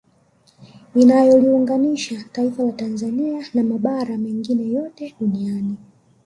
Inayoliunganisha taifa la Tanzania na mabara mengine yote duniani